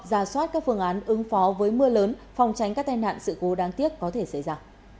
ra soát các phương án ứng phó với mưa lớn phòng tránh các tai nạn sự cố đáng tiếc có thể xảy ra